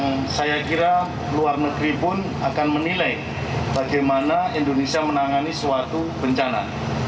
yang saya kira luar negeri pun akan menilai bagaimana indonesia menangani suatu bencana